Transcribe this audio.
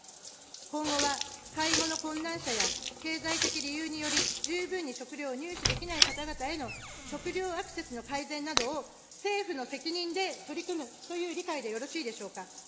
今後は、買い物困難者や経済的理由により十分に食料を入手できない方々への食料アクセスの改善などを、政府の責任で取り組むという理解でよろしいでしょうか。